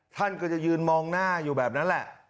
ท่านก็จะยืนมองหน้าอยู่แบบนั้นแหละ